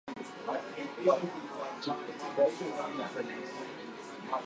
The sky is overcast and it is getting darker and darker.